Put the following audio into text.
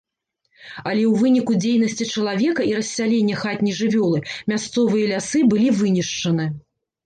Але ў выніку дзейнасці чалавека і рассялення хатняй жывёлы мясцовыя лясы былі вынішчаны.